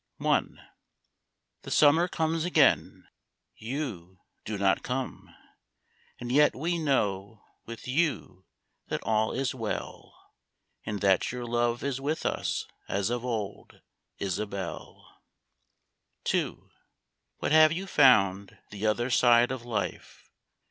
I. HE summer comes again — You do not come, And yet we know with you that all is well, And that your love is with us as of old, — Isabelle ! n. What have you found the other side of life?